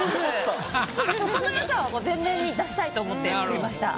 ・そこの良さを全面に出したいと思って作りました。